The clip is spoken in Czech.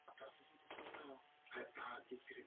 A tak tu máme začarovaný kruh.